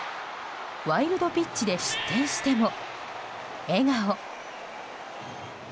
ワイルドピッチで失点しても笑顔。